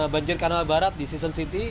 banjir kanal barat di season city